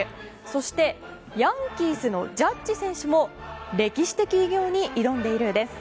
そして、ヤンキースのジャッジ選手も歴史的偉業に挑んでいるんです。